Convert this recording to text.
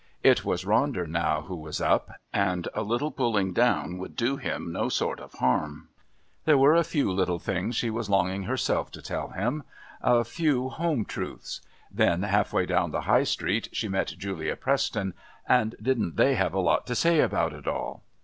It was Ronder now who was "up"...and a little pulling down would do him no sort of harm. There were a few little things she was longing, herself, to tell him. A few home truths. Then, half way down the High Street, she met Julia Preston, and didn't they have a lot to say about it all!